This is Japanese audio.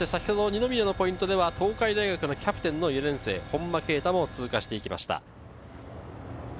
二宮のポイントでは東海大学のキャプテン・本間敬大も通過していきました。